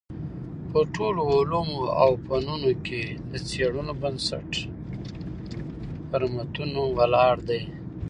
په ټولو علومو او فنونو کي د څېړنو بنسټ پر متونو ولاړ دﺉ.